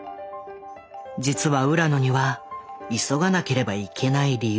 実は浦野には急がなければいけない理由があった。